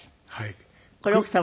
これ奥様